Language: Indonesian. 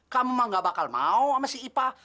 kamu mah nggak bakal mau sama si ipah